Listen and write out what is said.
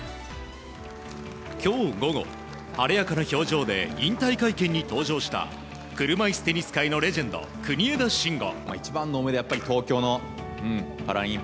今日午後、晴れやかな表情で引退会見に登場した車いすテニス界のレジェンド国枝慎吾。